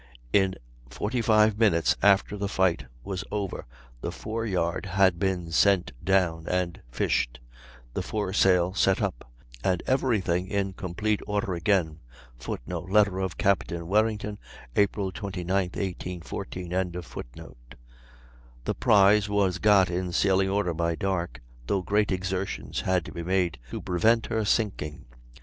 In 45 minutes after the fight was over the fore yard had been sent down and fished, the fore sail set up, and every thing in complete order again; [Footnote: Letter of Capt. Warrington, April 29, 1814.] the prize was got in sailing order by dark, though great exertions had to be made to prevent her sinking.